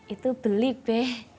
itu beli be